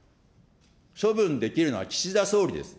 処分できるのは岸田総理です。